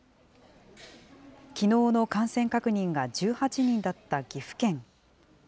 きのうの感染確認が１８人だった岐阜県。